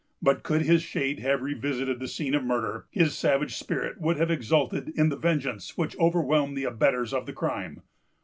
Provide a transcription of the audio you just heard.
But could his shade have revisited the scene of murder, his savage spirit would have exulted in the vengeance which overwhelmed the abettors of the crime.